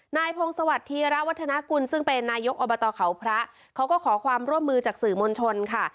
นายพงศวรรคธีระวัฒนากุลซึ่งเป็นนายกอบตเขาพระเขาก็ขอความร่วมมือจากสื่อมวลชนค่ะ